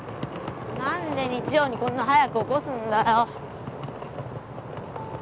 なんで日曜にこんな早く起こすんだよ。